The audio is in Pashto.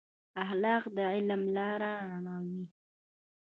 اخلاق د علم لار رڼوي.